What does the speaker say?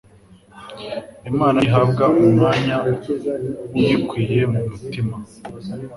Imana nihabwa umwanya uyikwiye mu mutima,